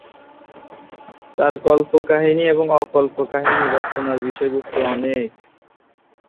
তার কল্পকাহিনী এবং অ-কল্পকাহিনী রচনার বিষয়বস্তু অনেক।